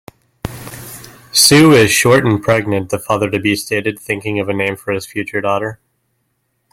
"Sue is short and pregnant", the father-to-be stated, thinking of a name for his future daughter.